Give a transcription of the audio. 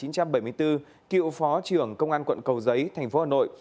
cựu phó trưởng công an quận cầu giấy tp hà nội